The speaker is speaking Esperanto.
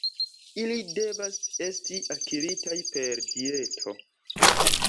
Ili devas esti akiritaj per dieto.